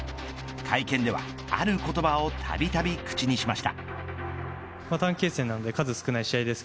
会見ではある言葉をたびたび口にしました。